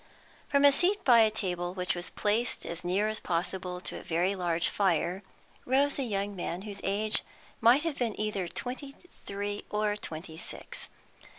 From a seat by a table which was placed as near as possible to a very large fire rose a young man whose age might have been either twenty three or twenty six.